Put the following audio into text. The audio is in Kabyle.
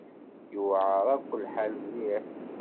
Yewɛer-ak lḥal mliḥ.